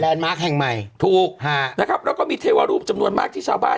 มาร์คแห่งใหม่ถูกฮะนะครับแล้วก็มีเทวรูปจำนวนมากที่ชาวบ้าน